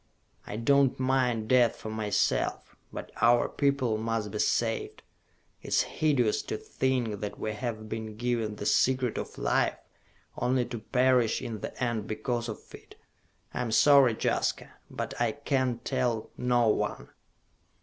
I do not mind death for myself; but our people must be saved! It is hideous to think that we have been given the Secret of Life, only to perish in the end because of it! I am sorry, Jaska, but I can tell no one!"